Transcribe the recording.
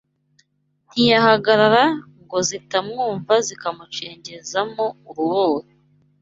Ntiyahagarara ngo zitamwumva Zikamucengeza mo uruboli